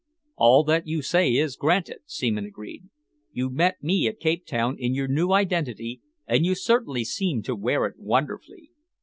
"All that you say is granted," Seaman agreed. "You met me at Cape Town in your new identity, and you certainly seemed to wear it wonderfully.